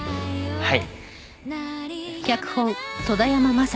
はい。